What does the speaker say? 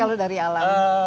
ambil dari alam